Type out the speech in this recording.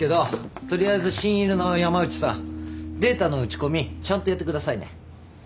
取りあえず新入りの山内さんデータの打ち込みちゃんとやってくださいね。